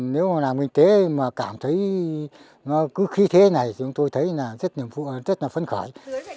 nếu làm kinh tế mà cảm thấy cứ khí thế này thì tôi thấy rất nhiều vụ ở đây